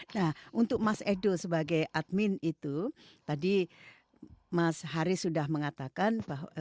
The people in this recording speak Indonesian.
nah untuk mas edo sebagai admin itu tadi mas haris sudah mengatakan bahwa